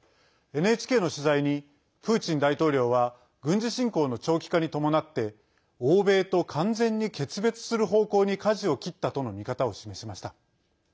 ＮＨＫの取材にプーチン大統領は軍事侵攻の長期化に伴って欧米と完全に決別する方向にかじを切ったとの見方を示しました。